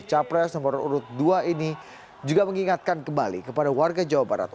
capres nomor urut dua ini juga mengingatkan kembali kepada warga jawa barat